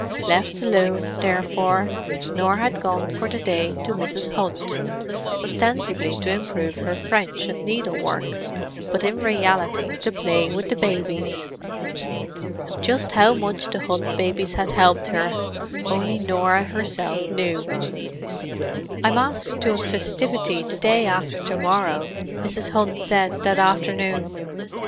Left alone, therefore, Norah had gone for the day to Mrs. Hunt, ostensibly to improve her French and needlework, but in reality to play with the babies. Just how much the Hunt babies had helped her only Norah herself knew. "I'm asked to a festivity the day after to morrow," Mrs. Hunt said that afternoon.